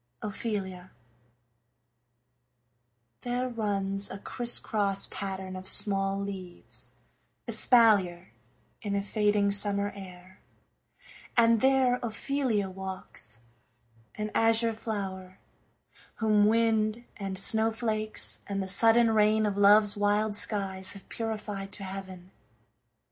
OPHELIA There runs a crisscross pattern of small leaves Espalier, in a fading summer air, And there Ophelia walks, an azure flower, Whom wind, and snowflakes, and the sudden rain Of love's wild skies have purified to heaven.